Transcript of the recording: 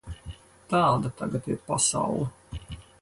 Tāda tagad ir pasaule.